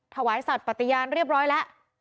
ถวายสัตว์ปฏิญาณเรียบร้อยแล้ว